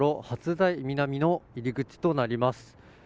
初台南の入り口となります。